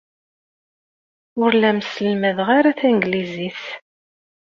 Ur la am-sselmadeɣ ara tanglizit.